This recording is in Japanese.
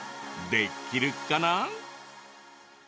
できるかな？